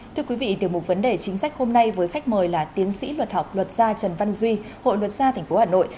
thưa quý vị tiểu mục vấn đề chính sách hôm nay với khách mời là tiến sĩ luật học luật gia trần văn duy hội luật gia tp hà nội